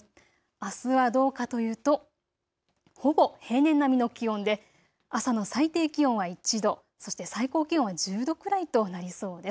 あすはどうかというとほぼ平年並みの気温で朝の最低気温は１度、そして最高気温１０度くらいとなりそうです。